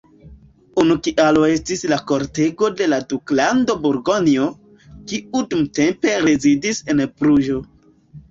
Unu kialo estis la kortego de la Duklando Burgonjo, kiu dumtempe rezidis en Bruĝo.